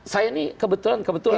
saya ini kebetulan